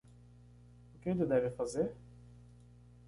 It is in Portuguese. O que ele deve fazer?